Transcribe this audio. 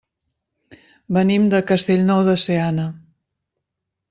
Venim de Castellnou de Seana.